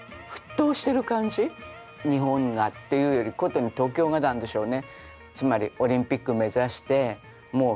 日本がっていうよりことに東京がなんでしょうね。